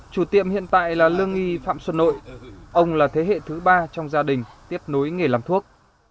chủ tiệm hiện tại là lương nghi phạm xuân nội ông là thế hệ thứ ba trong gia đình tiếp nối nghề làm thuốc